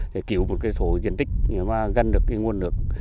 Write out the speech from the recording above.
để cứu một số diện tích mà gần được cái nguồn lực